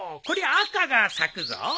赤が咲くぞ。